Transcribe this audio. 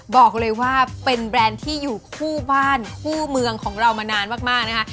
บอกเลยว่าเป็นแบรนด์ที่อยู่คู่บ้านคู่เมืองของเรามานานมากนะคะ